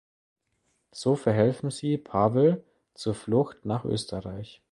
So verhelfen sie Pavel zur Flucht nach Österreich.